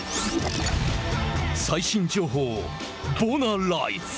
最新情報をボナライズ。